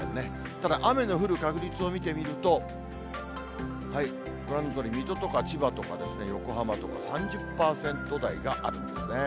ただ、雨の降る確率を見てみると、ご覧のとおり水戸とか千葉とか横浜とか、３０％台があるんですね。